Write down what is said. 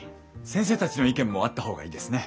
先生たちの意見もあった方がいいですね。